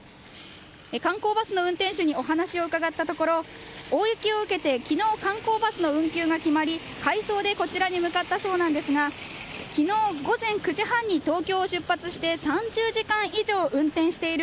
観光バスの運転手にお話を伺たところ大雪を受けて昨日観光バスの運休が決まり回送でこちらに向かったそうなんですが昨日午前９時半に東京を出発して３０時間以上運転している。